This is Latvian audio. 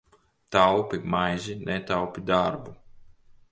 Taupi maizi, netaupi darbu!